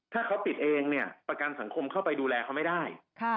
ถ้าเขาปิดเองเนี่ยประกันสังคมเข้าไปดูแลเขาไม่ได้